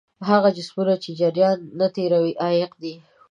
هغه جسمونه چې جریان نه تیروي عایق دي.